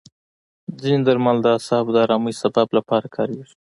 ځینې درمل د اعصابو د ارامۍ لپاره کارېږي.